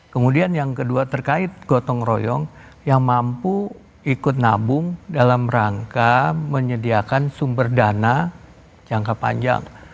kemudian yang kedua terkait gotong royong yang mampu ikut nabung dalam rangka menyediakan sumber dana jangka panjang